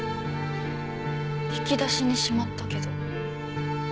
引き出しにしまったけど。